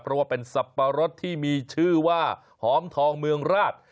เพราะว่าเป็นสับปะรดที่มีชื่อว่าหอมทองเมืองราช